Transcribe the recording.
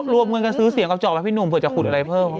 รวมเงินกันซื้อเสียงกระจอกให้พี่หนุ่มเผื่อจะขุดอะไรเพิ่ม